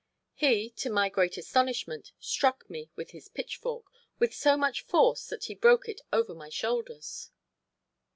He, to my great astonishment, struck me with his pitchfork with so much force that he broke it over my shoulders.